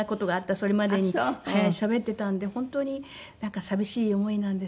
それまでにしゃべっていたんで本当に寂しい思いなんですけれども。